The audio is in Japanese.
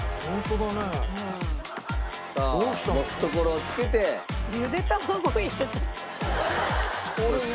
「さあ持つところを付けて」「ゆで卵入れって」